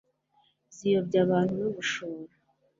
ziyobya abantu no gushora